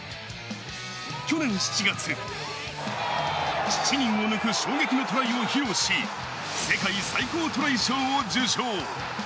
去年７月、７人を抜く衝撃のトライを披露し、世界最高トライ賞を受賞。